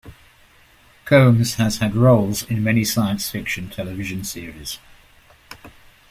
Combs has had roles in many science fiction television series.